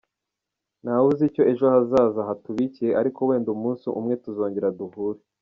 Ntawe uzi icyo ejo hazaza hatubikiye, ariko wenda umunsi umwe tuzongera duhure.